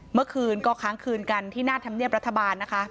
เมื่อคืนก็ค้างคืนกันที่หน้าธรรมเนียบรัฐบาลนะคะ